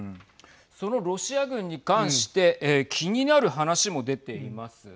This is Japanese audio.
そのロシア軍に関して気になる話も出ています。